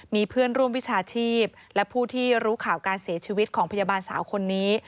มีเพื่อนร่วมวิชาชีพและผู้ที่รู้ข่าวการเสียชีวิตของพยาบาลสาวคนนี้